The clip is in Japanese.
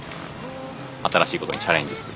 新しいことにチャレンジする。